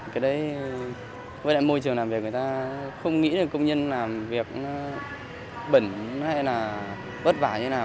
cái đấy với môi trường làm việc người ta không nghĩ công nhân làm việc bẩn hay là bất vả như nào